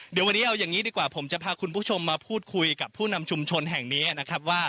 เดี๋ยววันนี้เอาอย่างนี้ดีกว่าผมจะพาคุณผู้ชมมาพูดคุยกับผู้นำชุมชนแห่งนี้นะครับว่า